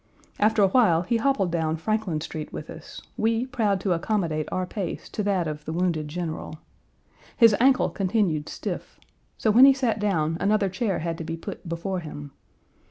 After a while he hobbled down Franklin Street with us, we proud to accommodate our pace to that of the wounded general. His ankle continued stiff; so when he sat down another chair had to be put before him.